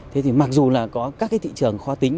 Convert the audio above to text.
thế thì mặc dù là có các cái thị trường khó tính